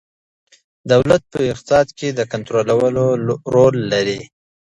دولت په اقتصاد کې د کنترول رول لري.